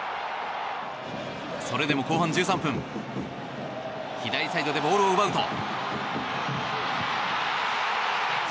それでも後半１３分左サイドでボールを奪うと。